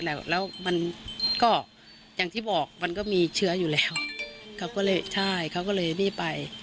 แล้วแล้วมันก็อย่างที่บอกมันก็มีเชื้ออยู่แล้วเขาก็เลยใช่เขาก็เลยรีบไป